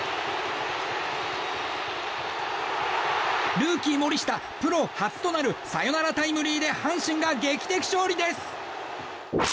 ルーキー、森下プロ初となるサヨナラタイムリーで阪神が劇的勝利です。